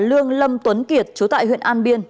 lương lâm tuấn kiệt chú tại huyện an biên